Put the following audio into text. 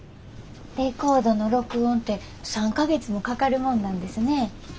レコードの録音って３か月もかかるもんなんですね。